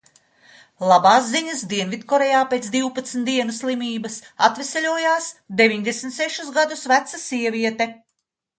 Labās ziņas – Dienvidkorejā pēc divpadsmit dienu slimības atveseļojās deviņdesmit sešus gadus veca sieviete.